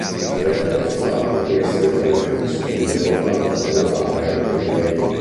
Sarebbero state queste donne a spingerlo ad adorare altri dèi.